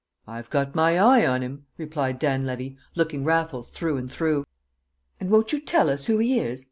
"I've got my eye on him!" replied Dan Levy, looking Raffles through and through. "And won't you tell us who he is?"